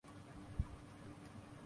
Guernsey